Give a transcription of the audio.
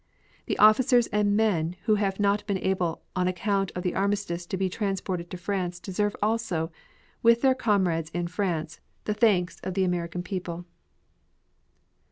The officers and men who have not been able on account of the armistice to be transported to France deserve also, with their comrades in France, the thanks of the American people.